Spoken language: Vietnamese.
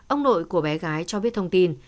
ông nội của bé gái cho biết thông tin